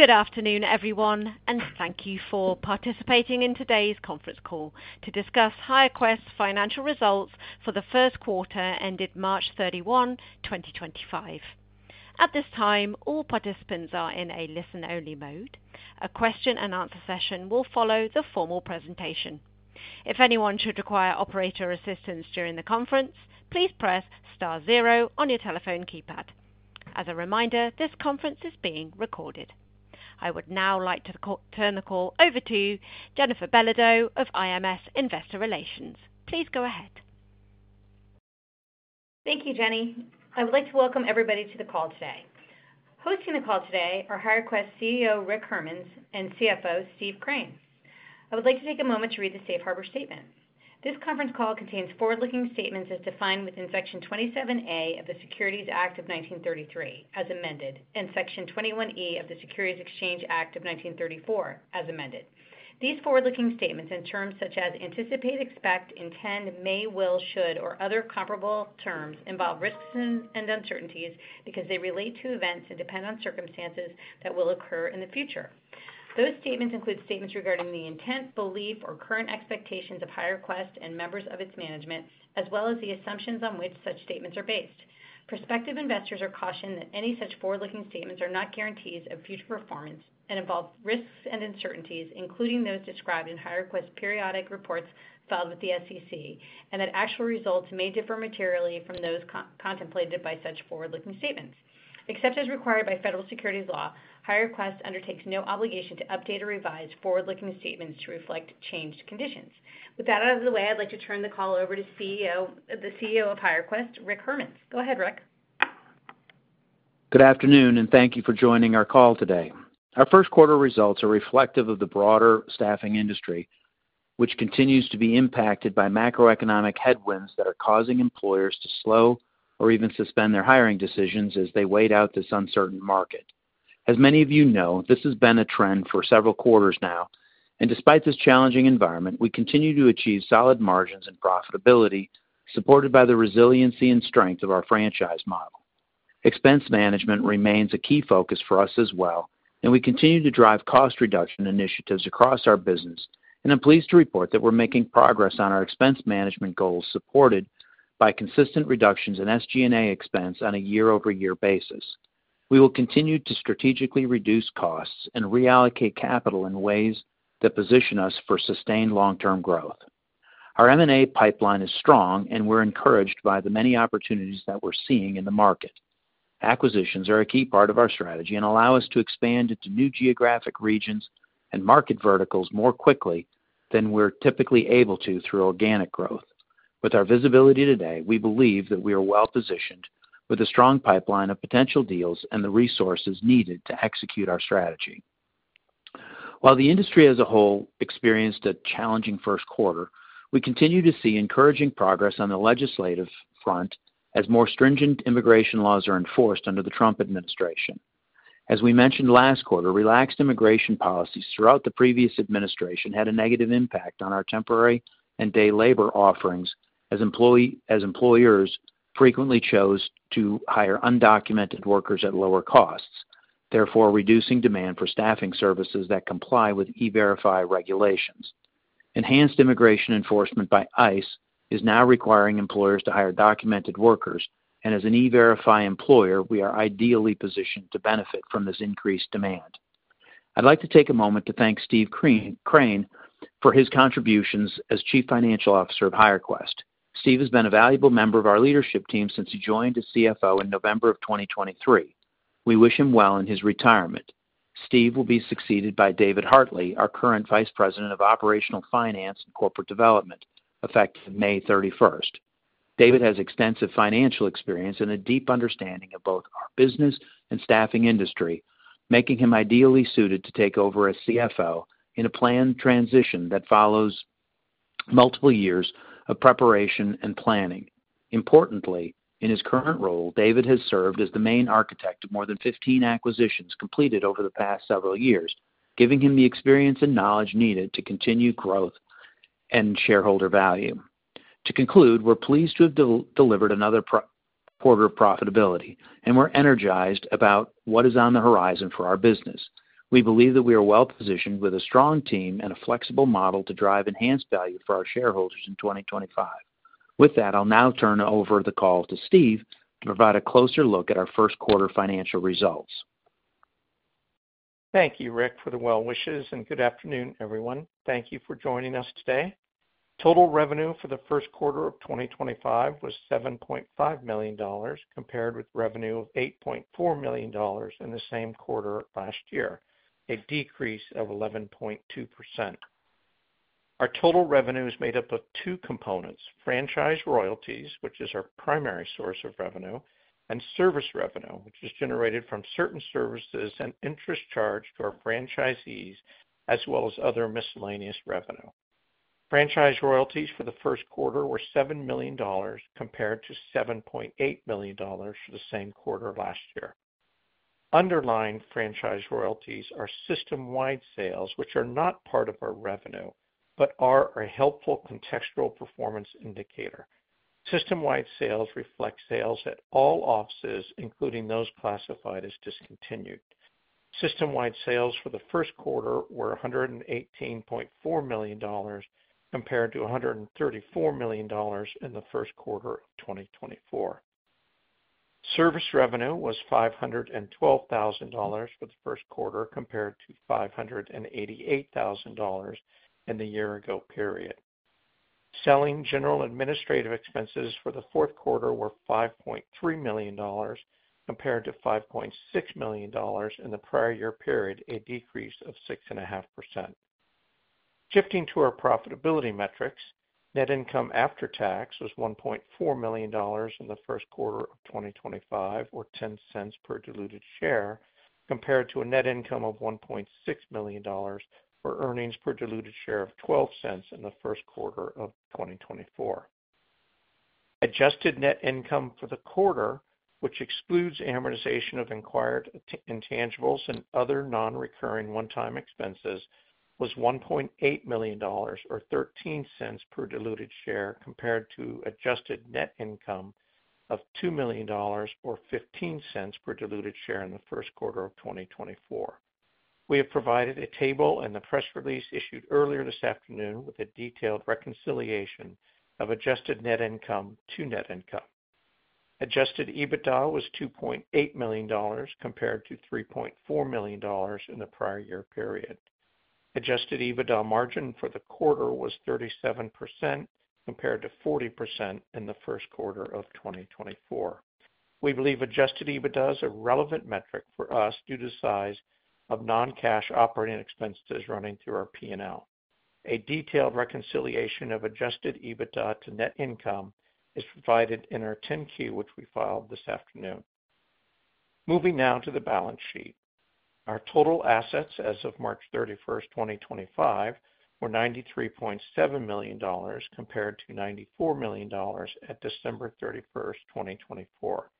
Good afternoon, everyone, and thank you for participating in today's conference call to discuss HireQuest's financial results for the first quarter ended March 31, 2025. At this time, all participants are in a listen-only mode. A question-and-answer session will follow the formal presentation. If anyone should require operator assistance during the conference, please press star zero on your telephone keypad. As a reminder, this conference is being recorded. I would now like to turn the call over to Jennifer Belodeau of IMS Investor Relations. Please go ahead. Thank you, Jenny. I would like to welcome everybody to the call today. Hosting the call today are HireQuest CEO Rick Hermanns and CFO Steve Crane. I would like to take a moment to read the Safe Harbor Statement. This conference call contains forward-looking statements as defined within Section 27A of the Securities Act of 1933, as amended, and Section 21E of the Securities Exchange Act of 1934, as amended. These forward-looking statements and terms such as anticipate, expect, intend, may, will, should, or other comparable terms involve risks and uncertainties because they relate to events and depend on circumstances that will occur in the future. Those statements include statements regarding the intent, belief, or current expectations of HireQuest and members of its management, as well as the assumptions on which such statements are based. Prospective investors are cautioned that any such forward-looking statements are not guarantees of future performance and involve risks and uncertainties, including those described in HireQuest's periodic reports filed with the SEC, and that actual results may differ materially from those contemplated by such forward-looking statements. Except as required by federal securities law, HireQuest undertakes no obligation to update or revise forward-looking statements to reflect changed conditions. With that out of the way, I'd like to turn the call over to the CEO of HireQuest, Rick Hermanns. Go ahead, Rick. Good afternoon, and thank you for joining our call today. Our first quarter results are reflective of the broader staffing industry, which continues to be impacted by macroeconomic headwinds that are causing employers to slow or even suspend their hiring decisions as they wait out this uncertain market. As many of you know, this has been a trend for several quarters now, and despite this challenging environment, we continue to achieve solid margins and profitability supported by the resiliency and strength of our franchise model. Expense management remains a key focus for us as well, and we continue to drive cost reduction initiatives across our business. I'm pleased to report that we're making progress on our expense management goals supported by consistent reductions in SG&A expense on a year-over-year basis. We will continue to strategically reduce costs and reallocate capital in ways that position us for sustained long-term growth. Our M&A pipeline is strong, and we're encouraged by the many opportunities that we're seeing in the market. Acquisitions are a key part of our strategy and allow us to expand into new geographic regions and market verticals more quickly than we're typically able to through organic growth. With our visibility today, we believe that we are well-positioned with a strong pipeline of potential deals and the resources needed to execute our strategy. While the industry as a whole experienced a challenging first quarter, we continue to see encouraging progress on the legislative front as more stringent immigration laws are enforced under the Trump administration. As we mentioned last quarter, relaxed immigration policies throughout the previous administration had a negative impact on our temporary and day labor offerings as employers frequently chose to hire undocumented workers at lower costs, therefore reducing demand for staffing services that comply with E-Verify regulations. Enhanced immigration enforcement by ICE is now requiring employers to hire documented workers, and as an E-Verify employer, we are ideally positioned to benefit from this increased demand. I'd like to take a moment to thank Steve Crane for his contributions as Chief Financial Officer of HireQuest. Steve has been a valuable member of our leadership team since he joined as CFO in November of 2023. We wish him well in his retirement. Steve will be succeeded by David Hartley, our current Vice President of Operational Finance and Corporate Development, effective May 31st. David has extensive financial experience and a deep understanding of both our business and staffing industry, making him ideally suited to take over as CFO in a planned transition that follows multiple years of preparation and planning. Importantly, in his current role, David has served as the main architect of more than 15 acquisitions completed over the past several years, giving him the experience and knowledge needed to continue growth and shareholder value. To conclude, we're pleased to have delivered another quarter of profitability, and we're energized about what is on the horizon for our business. We believe that we are well-positioned with a strong team and a flexible model to drive enhanced value for our shareholders in 2025. With that, I'll now turn over the call to Steve to provide a closer look at our first quarter financial results. Thank you, Rick, for the well-wishes, and good afternoon, everyone. Thank you for joining us today. Total revenue for the first quarter of 2025 was $7.5 million, compared with revenue of $8.4 million in the same quarter last year, a decrease of 11.2%. Our total revenue is made up of two components: franchise royalties, which is our primary source of revenue, and service revenue, which is generated from certain services and interest charged to our franchisees, as well as other miscellaneous revenue. Franchise royalties for the first quarter were $7 million, compared to $7.8 million for the same quarter last year. Underlying franchise royalties are system-wide sales, which are not part of our revenue but are a helpful contextual performance indicator. System-wide sales reflect sales at all offices, including those classified as discontinued. System-wide sales for the first quarter were $118.4 million, compared to $134 million in the first quarter of 2024. Service revenue was $512,000 for the first quarter, compared to $588,000 in the year-ago period. Selling, general, and administrative expenses for the fourth quarter were $5.3 million, compared to $5.6 million in the prior year period, a decrease of 6.5%. Shifting to our profitability metrics, net income after tax was $1.4 million in the first quarter of 2025, or $0.10 per diluted share, compared to a net income of $1.6 million for earnings per diluted share of $0.12 in the first quarter of 2024. Adjusted net income for the quarter, which excludes amortization of acquired intangibles and other non-recurring one-time expenses, was $1.8 million, or $0.13 per diluted share, compared to adjusted net income of $2 million, or $0.15 per diluted share in the first quarter of 2024. We have provided a table in the press release issued earlier this afternoon with a detailed reconciliation of adjusted net income to net income. Adjusted EBITDA was $2.8 million, compared to $3.4 million in the prior year period. Adjusted EBITDA margin for the quarter was 37%, compared to 40% in the first quarter of 2024. We believe adjusted EBITDA is a relevant metric for us due to the size of non-cash operating expenses running through our P&L. A detailed reconciliation of adjusted EBITDA to net income is provided in our 10-Q, which we filed this afternoon. Moving now to the balance sheet. Our total assets as of March 31st, 2025, were $93.7 million, compared to $94 million at December 31st, 2024.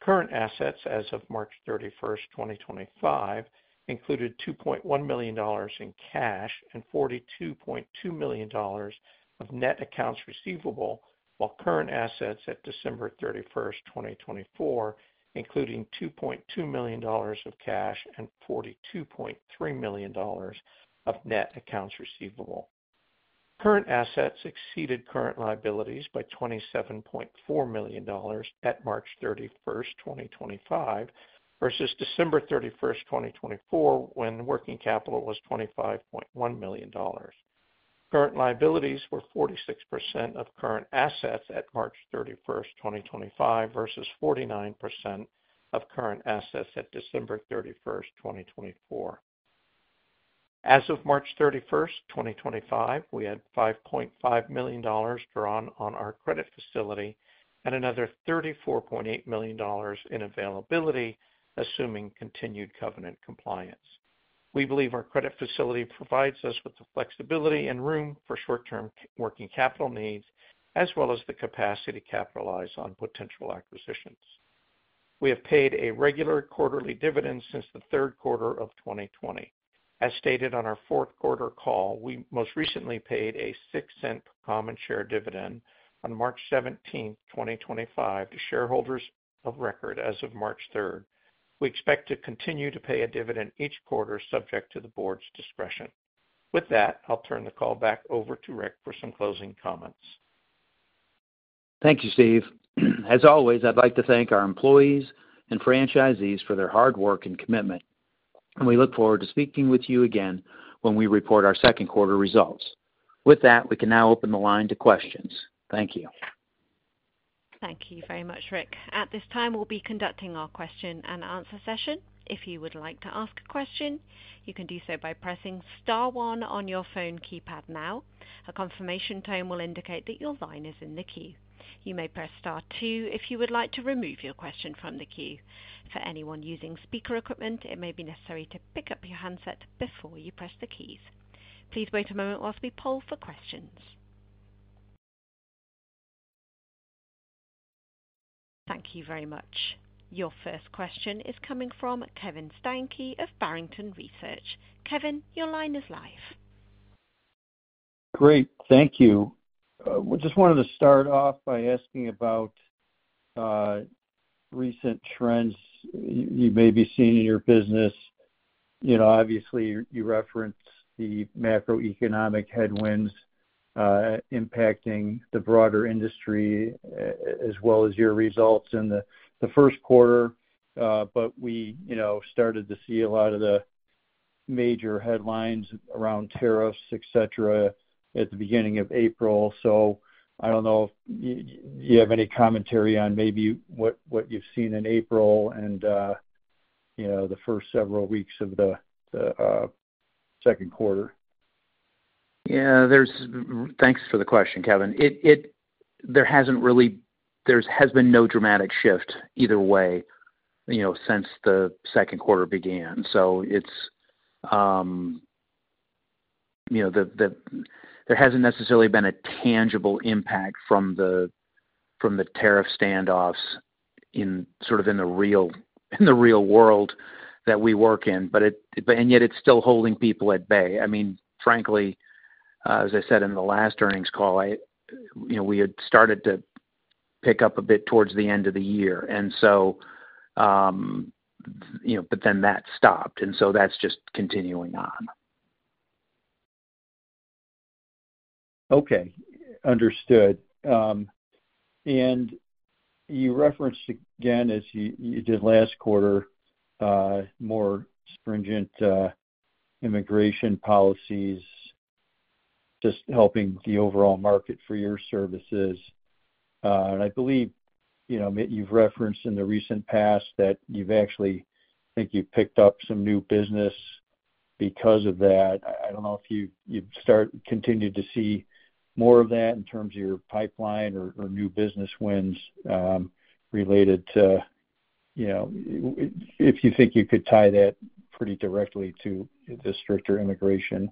Current assets as of March 31st, 2025, included $2.1 million in cash and $42.2 million of net accounts receivable, while current assets at December 31st, 2024, included $2.2 million of cash and $42.3 million of net accounts receivable. Current assets exceeded current liabilities by $27.4 million at March 31st, 2025, versus December 31st, 2024, when working capital was $25.1 million. Current liabilities were 46% of current assets at March 31st, 2025, versus 49% of current assets at December 31st, 2024. As of March 31st, 2025, we had $5.5 million drawn on our credit facility and another $34.8 million in availability, assuming continued covenant compliance. We believe our credit facility provides us with the flexibility and room for short-term working capital needs, as well as the capacity to capitalize on potential acquisitions. We have paid a regular quarterly dividend since the third quarter of 2020. As stated on our fourth quarter call, we most recently paid a $0.06 per common share dividend on March 17, 2025, to shareholders of record as of March 3. We expect to continue to pay a dividend each quarter, subject to the board's discretion. With that, I'll turn the call back over to Rick for some closing comments. Thank you, Steve. As always, I'd like to thank our employees and franchisees for their hard work and commitment. We look forward to speaking with you again when we report our second quarter results. With that, we can now open the line to questions. Thank you. Thank you very much, Rick. At this time, we'll be conducting our question-and-answer session. If you would like to ask a question, you can do so by pressing star one on your phone keypad now. A confirmation tone will indicate that your line is in the queue. You may press star two if you would like to remove your question from the queue. For anyone using speaker equipment, it may be necessary to pick up your handset before you press the keys. Please wait a moment whilst we poll for questions. Thank you very much. Your first question is coming from Kevin Steinke of Barrington Research. Kevin, your line is live. Great. Thank you. I just wanted to start off by asking about recent trends you may be seeing in your business. Obviously, you referenced the macroeconomic headwinds impacting the broader industry as well as your results in the first quarter, but we started to see a lot of the major headlines around tariffs, etc., at the beginning of April. I do not know if you have any commentary on maybe what you have seen in April and the first several weeks of the second quarter. Yeah. Thanks for the question, Kevin. There has not really—there has been no dramatic shift either way since the second quarter began. There has not necessarily been a tangible impact from the tariff standoffs sort of in the real world that we work in, and yet it is still holding people at bay. I mean, frankly, as I said in the last earnings call, we had started to pick up a bit towards the end of the year, but then that stopped, and that is just continuing on. Okay. Understood. You referenced again, as you did last quarter, more stringent immigration policies just helping the overall market for your services. I believe you've referenced in the recent past that you've actually—I think you've picked up some new business because of that. I don't know if you've continued to see more of that in terms of your pipeline or new business wins related to—if you think you could tie that pretty directly to the stricter immigration.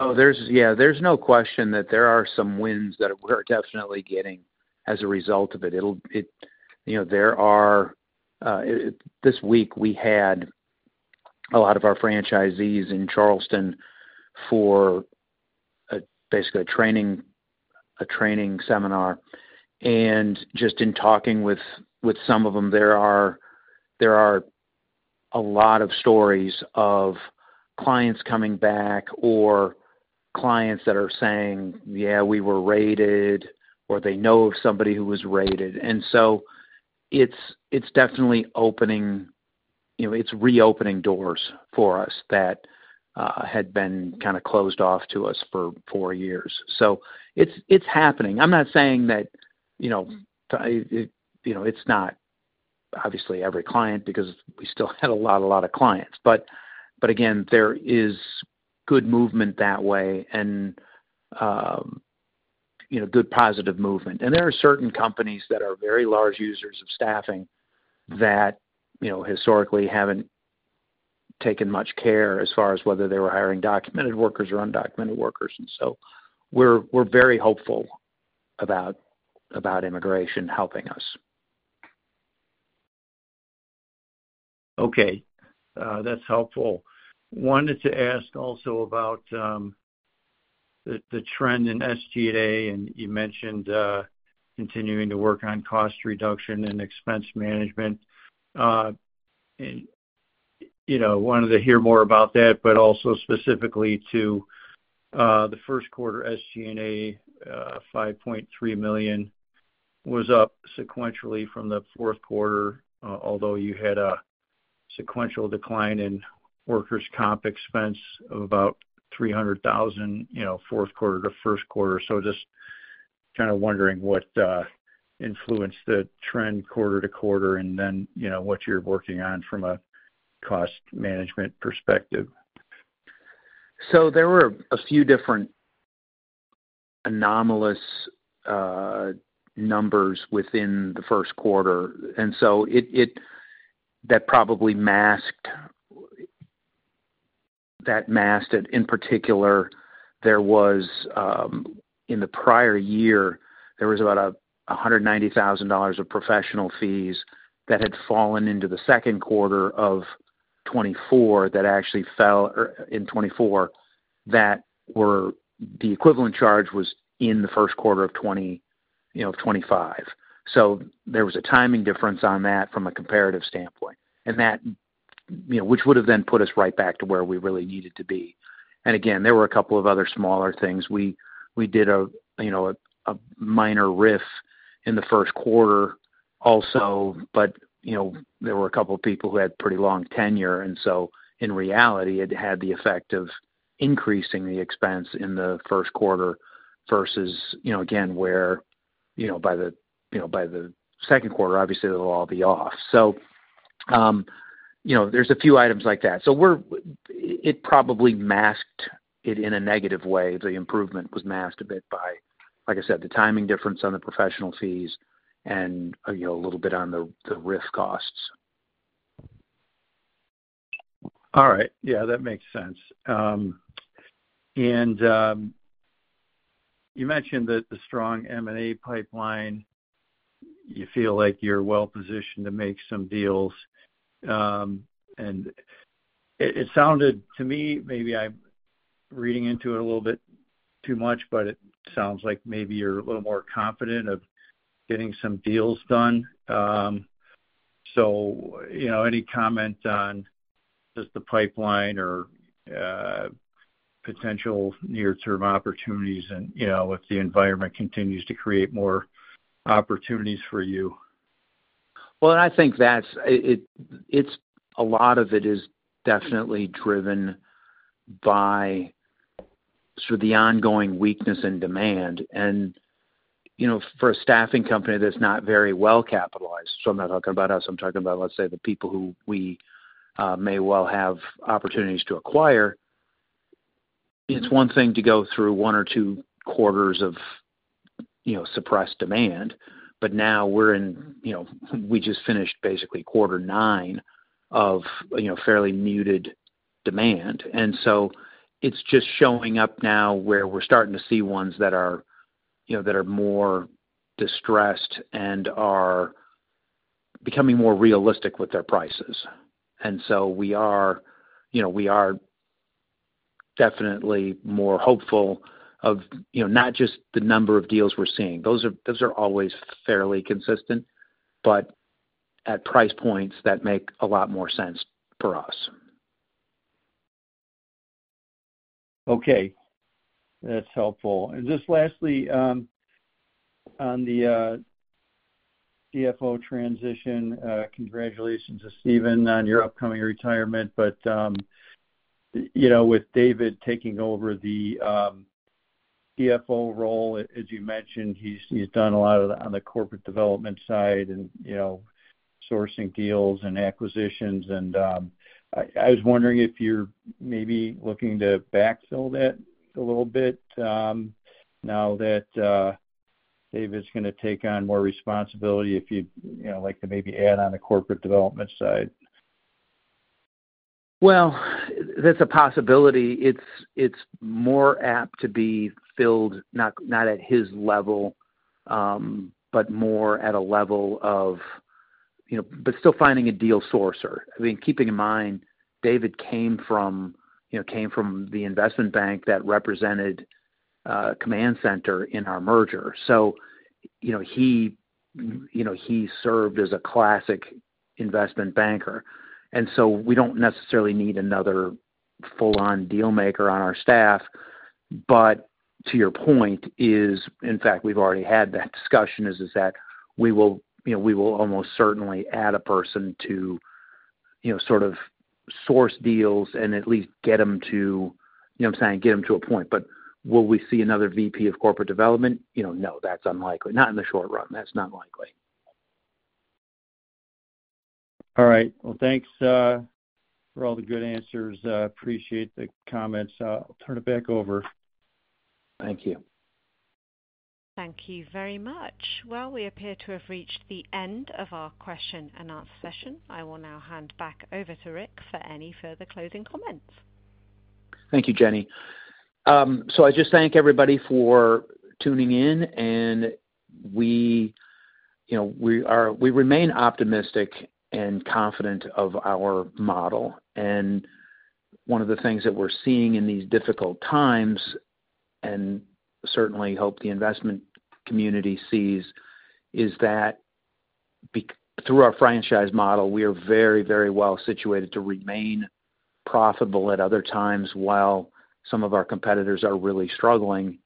Oh, yeah. There's no question that there are some wins that we're definitely getting as a result of it. There are, this week, we had a lot of our franchisees in Charleston for basically a training seminar. And just in talking with some of them, there are a lot of stories of clients coming back or clients that are saying, "Yeah, we were raided," or they know of somebody who was raided. It's definitely opening, it's reopening doors for us that had been kind of closed off to us for years. It's happening. I'm not saying that it's not obviously every client because we still had a lot, a lot of clients. Again, there is good movement that way and good positive movement. There are certain companies that are very large users of staffing that historically haven't taken much care as far as whether they were hiring documented workers or undocumented workers. We are very hopeful about immigration helping us. Okay. That's helpful. Wanted to ask also about the trend in SG&A, and you mentioned continuing to work on cost reduction and expense management. Wanted to hear more about that, but also specifically to the first quarter SG&A, $5.3 million was up sequentially from the fourth quarter, although you had a sequential decline in workers' comp expense of about $300,000 fourth quarter to first quarter. Just kind of wondering what influenced the trend quarter to quarter and then what you're working on from a cost management perspective. There were a few different anomalous numbers within the first quarter. That probably masked that, in particular, there was in the prior year about $190,000 of professional fees that had fallen into the second quarter of 2024 that actually fell in 2024, that were the equivalent charge was in the first quarter of 2025. There was a timing difference on that from a comparative standpoint, which would have then put us right back to where we really needed to be. Again, there were a couple of other smaller things. We did a minor RIF in the first quarter also, but there were a couple of people who had pretty long tenure. In reality, it had the effect of increasing the expense in the first quarter versus, again, where by the second quarter, obviously, it will all be off. There are a few items like that. It probably masked it in a negative way. The improvement was masked a bit by, like I said, the timing difference on the professional fees and a little bit on the RIF costs. All right. Yeah, that makes sense. You mentioned the strong M&A pipeline. You feel like you're well-positioned to make some deals. It sounded to me, maybe I'm reading into it a little bit too much, but it sounds like maybe you're a little more confident of getting some deals done. Any comment on just the pipeline or potential near-term opportunities and if the environment continues to create more opportunities for you? I think a lot of it is definitely driven by sort of the ongoing weakness in demand. For a staffing company that is not very well capitalized, I am not talking about us. I am talking about, let's say, the people who we may well have opportunities to acquire. It is one thing to go through one or two quarters of suppressed demand, but now we are in—we just finished basically quarter nine of fairly muted demand. It is just showing up now where we are starting to see ones that are more distressed and are becoming more realistic with their prices. We are definitely more hopeful of not just the number of deals we are seeing. Those are always fairly consistent, but at price points that make a lot more sense for us. Okay. That's helpful. Just lastly, on the CFO transition, congratulations to Steve on your upcoming retirement. With David taking over the CFO role, as you mentioned, he's done a lot on the corporate development side and sourcing deals and acquisitions. I was wondering if you're maybe looking to backfill that a little bit now that David's going to take on more responsibility, if you'd like to maybe add on the corporate development side. That is a possibility. It is more apt to be filled not at his level, but more at a level of—but still finding a deal sourcer. I mean, keeping in mind, David came from the investment bank that represented Command Center in our merger. He served as a classic investment banker. We do not necessarily need another full-on dealmaker on our staff. To your point, in fact, we have already had that discussion, that we will almost certainly add a person to sort of source deals and at least get them to—you know what I am saying? Get them to a point. Will we see another VP of corporate development? No, that is unlikely. Not in the short run. That is not likely. All right. Thanks for all the good answers. Appreciate the comments. I'll turn it back over. Thank you. Thank you very much. We appear to have reached the end of our question-and-answer session. I will now hand back over to Rick for any further closing comments. Thank you, Jenny. I just thank everybody for tuning in. We remain optimistic and confident of our model. One of the things that we're seeing in these difficult times, and certainly hope the investment community sees, is that through our franchise model, we are very, very well situated to remain profitable at other times while some of our competitors are really struggling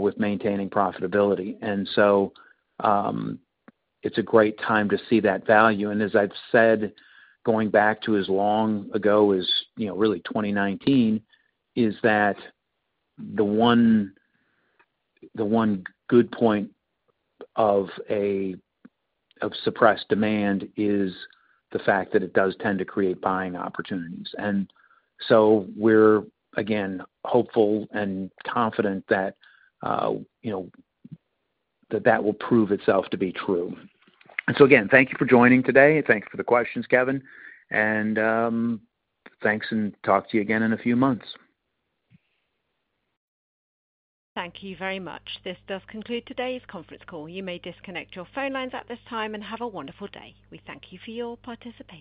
with maintaining profitability. It's a great time to see that value. As I've said, going back to as long ago as really 2019, the one good point of suppressed demand is the fact that it does tend to create buying opportunities. We're, again, hopeful and confident that that will prove itself to be true. Again, thank you for joining today. Thanks for the questions, Kevin. Thanks, and talk to you again in a few months. Thank you very much. This does conclude today's conference call. You may disconnect your phone lines at this time and have a wonderful day. We thank you for your participation.